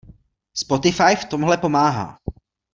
Spotify v tomhle pomáhá.